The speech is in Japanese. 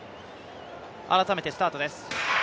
改めてスタートです。